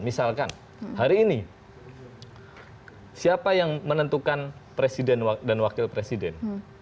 misalkan hari ini siapa yang menentukan presiden dan wakil presiden